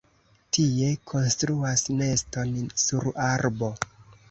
Tie konstruas neston sur arbo.